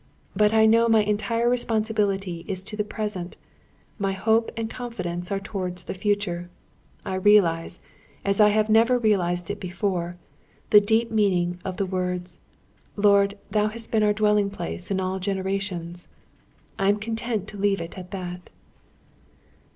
But I know my entire responsibility is to the present; my hope and confidence are towards the future. I realise, as I have never realised before, the deep meaning of the words: 'Lord, Thou hast been our Dwelling place, in all generations.' I am content to leave it at that."